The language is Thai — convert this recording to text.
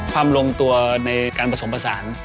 ลงตัวในการผสมผสาน